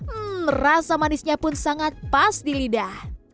hmm rasa manisnya pun sangat pas di lidah